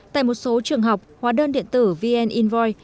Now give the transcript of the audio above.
tại một số trường học hóa đơn điện tử vn invoice